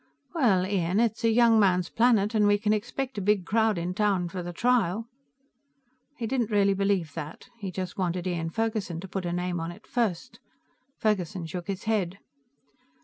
"Well, Ian, it's a young man's planet, and we can expect a big crowd in town for the trial...." He didn't really believe that. He just wanted Ian Ferguson to put a name on it first. Ferguson shook his head.